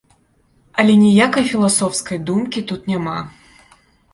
Але ніякай філасофскай думкі тут няма.